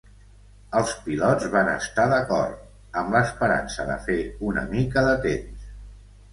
Els pilots van estar d'acord, amb l'esperança de fer una mica de temps.